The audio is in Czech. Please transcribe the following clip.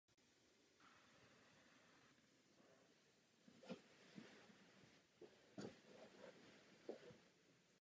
Největším problémem jsou rybářské sítě nebo znečištění vody převážně rtutí.